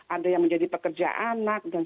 ada yang menjadi pekerja anak dan